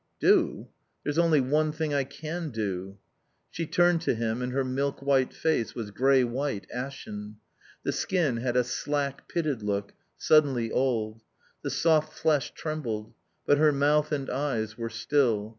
"Do? There's only one thing I can do." She turned to him, and her milk white face was grey white, ashen; the skin had a slack, pitted look, suddenly old. The soft flesh trembled. But her mouth and eyes were still.